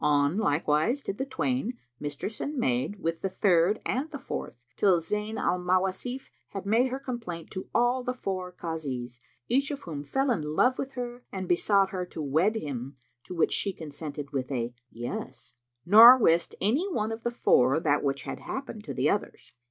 On like wise did the twain, mistress and maid with the third and the fourth, till Zayn al Mawasif had made her complaint to all the four Kazis, each of whom fell in love with her and besought her to wed him, to which she consented with a "Yes"; nor wist any one of the four that which had happened to the others.